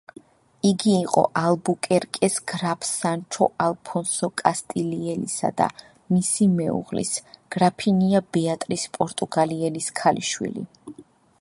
იგი იყო ალბუკერკეს გრაფ სანჩო ალფონსო კასტილიელისა და მისი მეუღლის, გრაფინია ბეატრიზ პორტუგალიელის ქალიშვილი.